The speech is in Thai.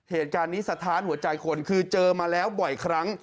เหตุการณ์นี้สะท้านหัวใจคนคือเจอมาแล้วบ่อยครั้ง